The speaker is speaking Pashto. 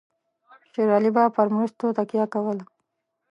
شېر علي به پر مرستو تکیه کولای.